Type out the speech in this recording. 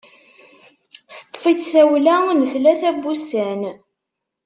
Teṭṭef-itt tawla n tlata n wussan.